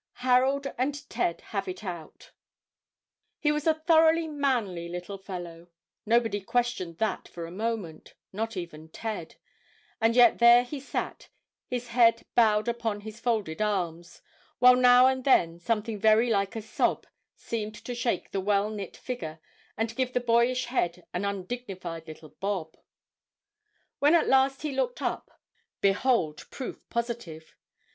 HAROLD AND TED HAVE IT OUT. [Illustration: 9011] He was a thoroughly manly little fellow nobody questioned that for a moment, not even Ted; and yet there he sat, his head bowed upon his folded arms, while now and then something very like a sob seemed to shake the well knit figure and give the boyish head an undignified little bob. When at last he looked up, behold proof positive.